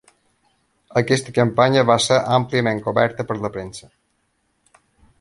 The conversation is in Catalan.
Aquesta campanya va ser àmpliament coberta per la premsa.